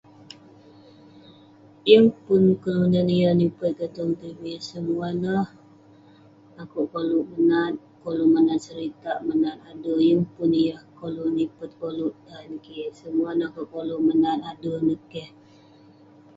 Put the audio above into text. Yeng pun kelunan yah nipet kik tong tv,semua neh akouk koluk menat..koluk menat seritak menat ade'..yeng pun yah koluk nipet, koluk tan kik..semuah neh akouk koluk menat ade' neh keh..